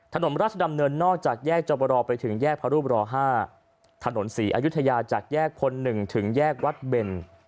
ถนนราชดำเนินนอกจากแยกจบรอไปถึงแยกพระรูปร๕ถนนศรีอายุทยาจากแยกพล๑ถึงแยกวัดเบน